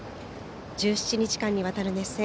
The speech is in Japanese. １７日間にわたる熱戦